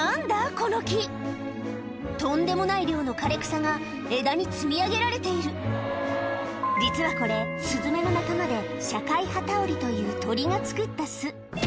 この木とんでもない量の枯れ草が枝に積み上げられている実はこれスズメの仲間でという鳥が作った巣